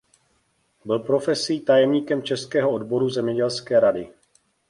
Byl profesí tajemníkem českého odboru zemědělské rady.